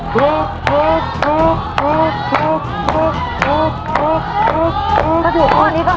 ถ้าถูกข้อนี้ก็๕๐๐๐บาทนะครับ